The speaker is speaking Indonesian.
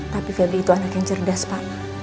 tapi febri itu anak yang cerdas pak